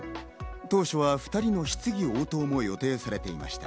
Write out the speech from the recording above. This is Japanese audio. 当初は２人の質疑応答も予定されていました。